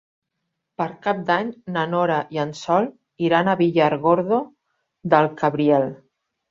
Per Cap d'Any na Nora i en Sol iran a Villargordo del Cabriel.